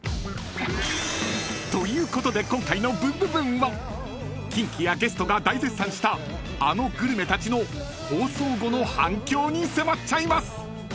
［ということで今回の『ブンブブーン！』はキンキやゲストが大絶賛したあのグルメたちの放送後の反響に迫っちゃいます！］